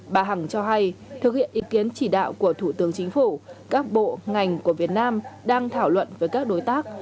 bà hằng cho hay thực hiện ý kiến chỉ đạo của thủ tướng chính phủ các bộ ngành của việt nam đang thảo luận với các đối tác